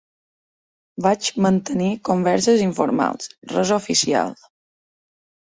Vaig mantenir converses informals, res oficial.